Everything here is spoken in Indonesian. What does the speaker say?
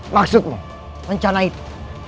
maksudmu rencana itu